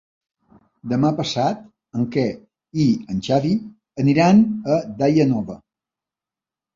Demà passat en Quer i en Xavi aniran a Daia Nova.